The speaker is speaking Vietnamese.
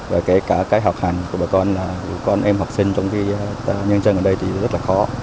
và kể cả cái học hành của bà con là con em học sinh trong nhân dân ở đây thì rất là khó